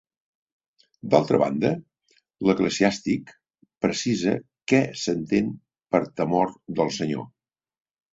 D'altra banda, l'Eclesiàstic precisa què s'entén per temor del Senyor.